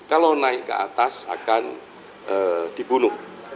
kalau naik ke atas akan dibunuh